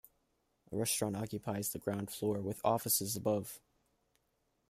A restaurant occupies the ground floor with offices above.